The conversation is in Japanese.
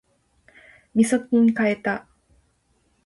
みそきん買えた